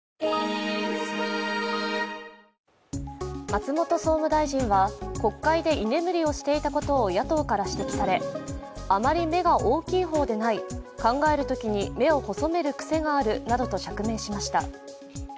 松本総務大臣は国会で居眠りしていたことを野党から指摘されあまり目が大きい方ではない考えるときに目を細める癖があるなどと釈明しました。